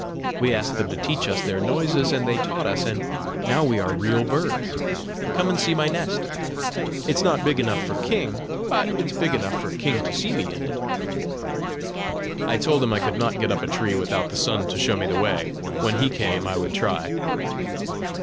We asked them to teach us their noises, and they taught us, and now we are real birds! Come and see my nest. It's not big enough for king, but it's big enough for king to see me in it!" I told him I could not get up a tree without the sun to show me the way; when he came, I would try.